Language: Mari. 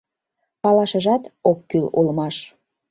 Палашыжат ок кӱл улмаш.